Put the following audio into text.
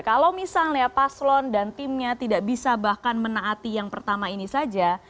kalau misalnya paslon dan timnya tidak bisa bahkan menaati yang pertama ini saja